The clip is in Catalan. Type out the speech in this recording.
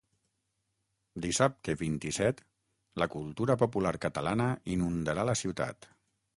Dissabte, vint-i-set, la cultura popular catalana inundarà la ciutat.